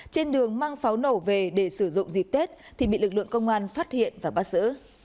trên đường mang pháo nổ về để sử dụng dịp tết thì bị lực lượng công an phát hiện và bắt giữ